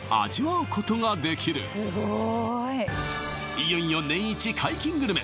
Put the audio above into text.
いよいよ年イチ解禁グルメ